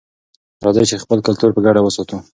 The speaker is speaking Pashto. راځئ چې خپل کلتور په ګډه وساتو.